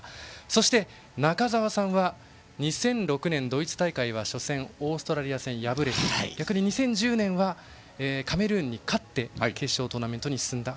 そして、中澤さんは２００６年のドイツ大会は初戦、オーストラリア戦破れて２０１０年は逆にカメルーンに勝って決勝トーナメントに進んだ。